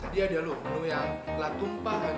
jad muah gelap pakai